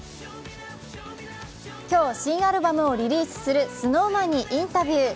今日、新アルバムをリリースするＳｎｏｗＭａｎにインタビュー。